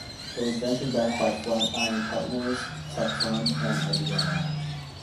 It was venture backed by Flatiron Partners, TechFund, and idealab!